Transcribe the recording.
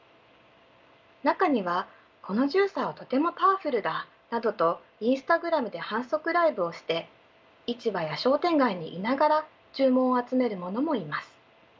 中には「このジューサーはとてもパワフルだ」などとインスタグラムで販促ライブをして市場や商店街にいながら注文を集める者もいます。